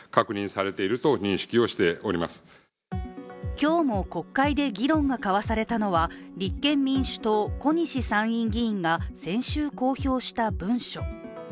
今日も国会で議論が交わされたのは立憲民主党・小西参院議員が先週公表した文書。